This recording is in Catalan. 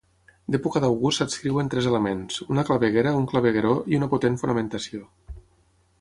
D'època d'August s'adscriuen tres elements; una claveguera un clavegueró, i una potent fonamentació.